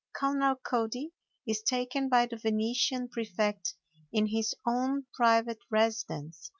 Colonel Cody is taken by the Venetian prefect in his own private residence.